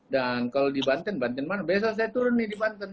dan kalau di banten banten mana biasanya saya turun nih di banten ya